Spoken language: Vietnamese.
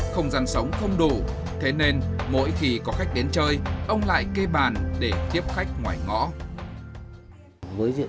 không gian sống không đủ thế nên mỗi khi có khách đến chơi ông lại kê bàn để tiếp khách ngoài ngõ